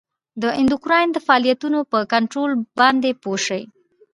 د اندوکراین د فعالیتونو په کنترول باندې پوه شئ.